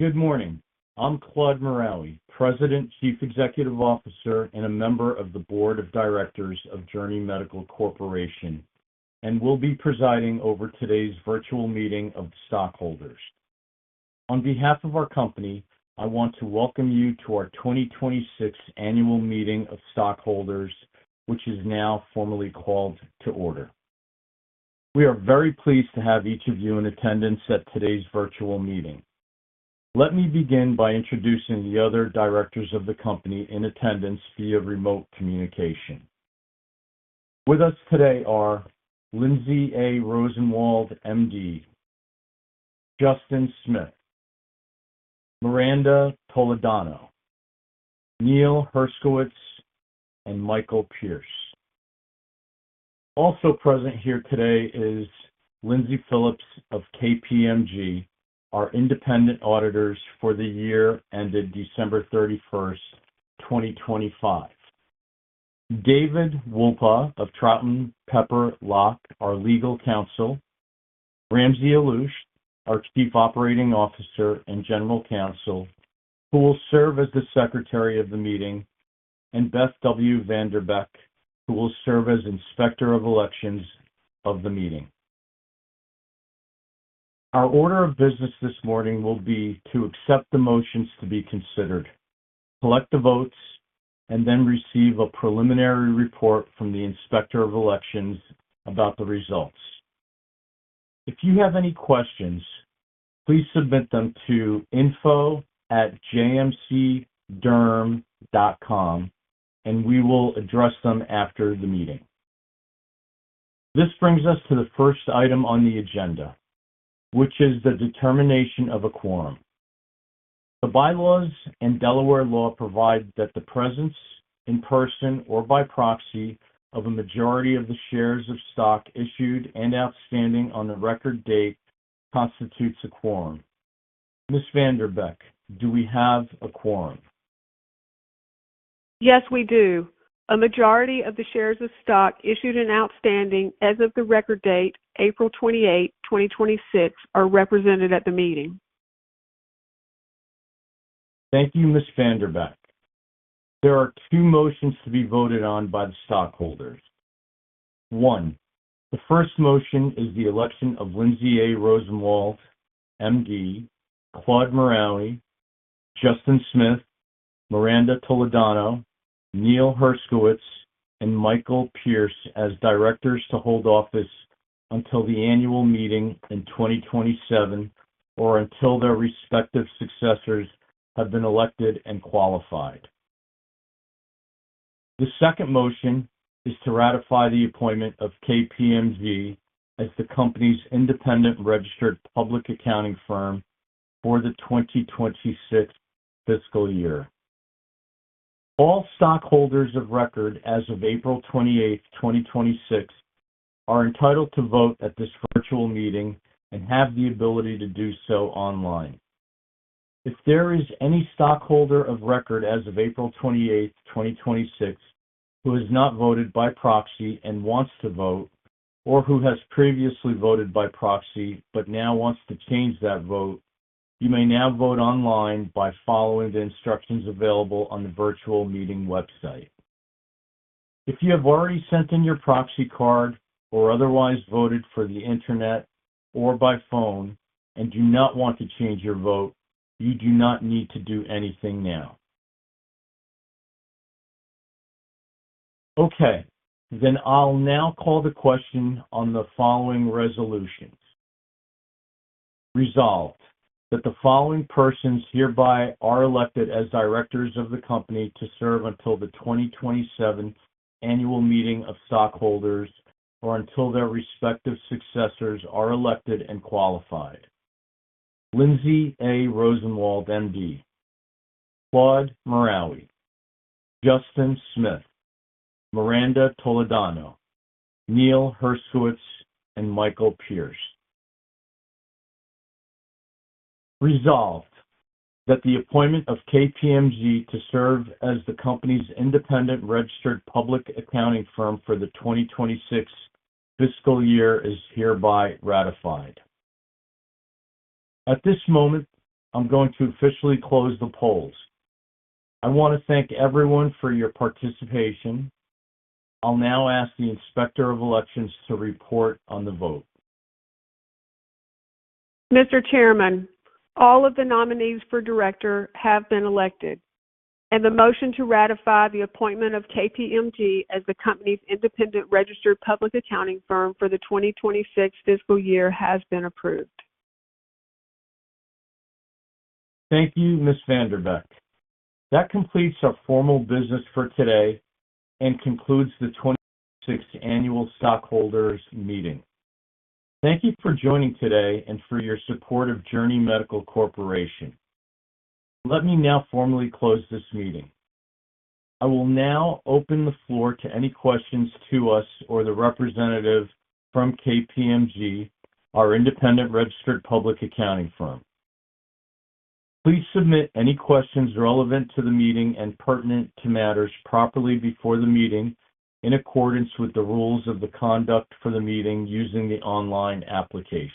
Good morning. I'm Claude Maraoui, President, Chief Executive Officer, and a member of the Board of Directors of Journey Medical Corporation, and will be presiding over today's virtual meeting of stockholders. On behalf of our company, I want to welcome you to our 2026 Annual Meeting of Stockholders, which is now formally called to order. We are very pleased to have each of you in attendance at today's virtual meeting. Let me begin by introducing the other directors of the company in attendance via remote communication. With us today are Lindsay A. Rosenwald, MD, Justin Smith, Miranda Toledano, Neil Herskowitz, and Michael Pearce. Also present here today is Lindsay Phillips of KPMG, our independent auditors for the year ended December 31, 2025. David Wolpa of Troutman Pepper, our legal counsel, Ramsey Alloush, our Chief Operating Officer and General Counsel, who will serve as the secretary of the meeting, and Beth W. VanDerbeck, who will serve as Inspector of Elections of the meeting. Our order of business this morning will be to accept the motions to be considered, collect the votes, and then receive a preliminary report from the Inspector of Elections about the results. If you have any questions, please submit them to contact@jmcderm.com and we will address them after the meeting. This brings us to the first item on the agenda, which is the determination of a quorum. The bylaws and Delaware law provide that the presence in person or by proxy of a majority of the shares of stock issued and outstanding on the record date constitutes a quorum. Ms. VanDerbeck, do we have a quorum? Yes, we do. A majority of the shares of stock issued and outstanding as of the record date, April 28, 2026, are represented at the meeting. Thank you, Ms. VanDerbeck. There are two motions to be voted on by the stockholders. One, the first motion is the election of Lindsay A. Rosenwald, MD, Claude Maraoui, Justin Smith, Miranda Toledano, Neil Herskowitz, and Michael Pearce as directors to hold office until the annual meeting in 2027 or until their respective successors have been elected and qualified. The second motion is to ratify the appointment of KPMG as the company's independent registered public accounting firm for the 2026 fiscal year. All stockholders of record as of April 28, 2026, are entitled to vote at this virtual meeting and have the ability to do so online. If there is any stockholder of record as of April 28th, 2026, who has not voted by proxy and wants to vote, or who has previously voted by proxy but now wants to change that vote, you may now vote online by following the instructions available on the virtual meeting website. If you have already sent in your proxy card or otherwise voted for the Internet or by phone and do not want to change your vote, you do not need to do anything now. I'll now call the question on the following resolutions. Resolved, that the following persons hereby are elected as directors of the company to serve until the 2027 Annual Meeting of Stockholders or until their respective successors are elected and qualified. Lindsay A. Rosenwald, MD, Claude Maraoui, Justin Smith, Miranda Toledano, Neil Herskowitz, and Michael Pearce. Resolved that the appointment of KPMG to serve as the company's independent registered public accounting firm for the 2026 fiscal year is hereby ratified. At this moment, I'm going to officially close the polls. I want to thank everyone for your participation. I'll now ask the Inspector of Elections to report on the vote. Mr. Chairman, all of the nominees for director have been elected and the motion to ratify the appointment of KPMG as the company's independent registered public accounting firm for the 2026 fiscal year has been approved. Thank you, Ms. VanDerbeck. That completes our formal business for today and concludes the 2026 Annual Stockholders' Meeting. Thank you for joining today and for your support of Journey Medical Corporation. Let me now formally close this meeting. I will now open the floor to any questions to us or the representative from KPMG, our independent registered public accounting firm. Please submit any questions relevant to the meeting and pertinent to matters properly before the meeting, in accordance with the rules of the conduct for the meeting, using the online application